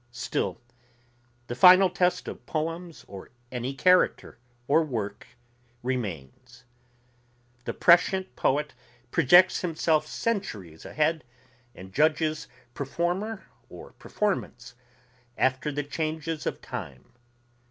Still the final test of poems or any character or work remains. The prescient poet projects himself centuries ahead and judges performer or performance after the changes of time.